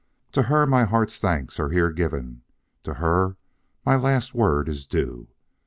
To her my heart's thanks are here given; to her my last word is due.